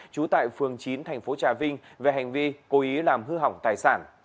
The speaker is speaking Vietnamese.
trú tại phường chín thành phố trà vinh về hành vi cố ý làm hư hỏng tài sản